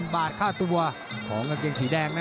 ๑๕๐๐๐๐๐บาทค่าตัวของเกงสีแดงนะ